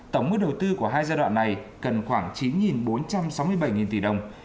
tổng mức đầu tư của hai giai đoạn này cần khoảng chín bốn trăm sáu mươi bảy tỷ đồng